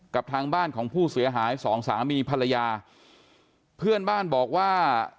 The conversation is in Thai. กับทางบ้านของผู้เสียหายสองสามีภรรยาเพื่อนบ้านบอกว่า